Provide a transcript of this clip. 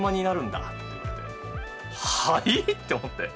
「はい？」って思って。